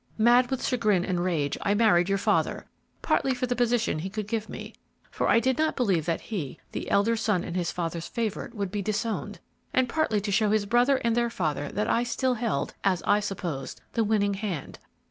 Mad with chagrin and rage, I married your father, partly for the position he could give me for I did not believe that he, the elder son and his father's favorite, would be disowned and partly to show his brother and their father that I still held, as I supposed, the winning hand.